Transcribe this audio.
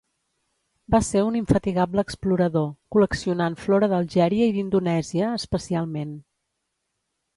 Va ser un infatigable explorador, col·leccionant flora d'Algèria i d'Indonèsia, especialment.